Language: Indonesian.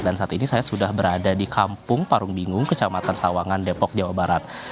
dan saat ini saya sudah berada di kampung parung bingung kecamatan sawangan depok jawa barat